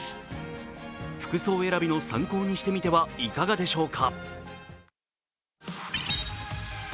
服装選びの参考にしてみてはいかがでしょうか。